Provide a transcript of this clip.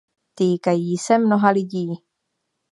Týkají se mnoha lidí.